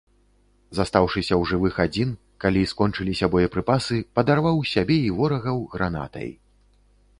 Застаўшыся ў жывых адзін, калі скончыліся боепрыпасы, падарваў сябе і ворагаў гранатай.